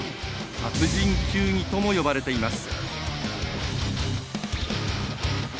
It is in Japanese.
殺人球技とも呼ばれています。